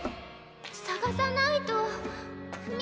探さないと。